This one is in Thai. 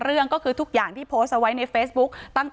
ที่โพสต์ก็คือเพื่อต้องการจะเตือนเพื่อนผู้หญิงในเฟซบุ๊คเท่านั้นค่ะ